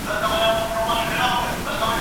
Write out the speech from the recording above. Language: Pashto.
زدهکوونکي په ښوونځي کي نوي شیان زده کوي.